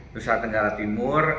nusa tenggara timur